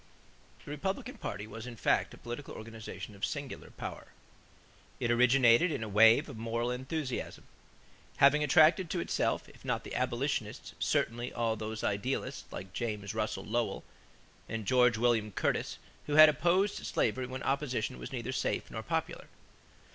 = The Republican party was in fact a political organization of singular power. It originated in a wave of moral enthusiasm, having attracted to itself, if not the abolitionists, certainly all those idealists, like James Russell Lowell and George William Curtis, who had opposed slavery when opposition was neither safe nor popular.